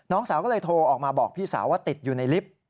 สาวก็เลยโทรออกมาบอกพี่สาวว่าติดอยู่ในลิฟต์